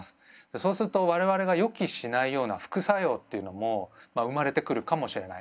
そうすると我々が予期しないような副作用っていうのも生まれてくるかもしれない。